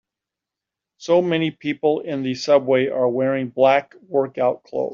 So many people on the subway are wearing black workout clothes.